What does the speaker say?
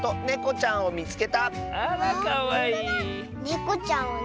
ねこちゃんをね